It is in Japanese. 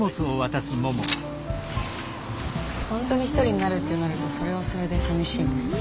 本当に一人になるってなるとそれはそれでさみしいね。